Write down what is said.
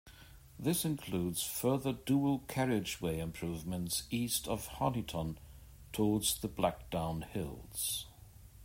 This includes further dual carriageway improvements east of Honiton towards the Blackdown Hills.